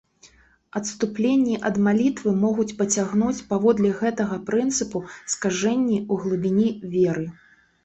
Адступленні ад малітвы могуць пацягнуць, паводле гэтага прынцыпу, скажэнні ў глыбіні веры.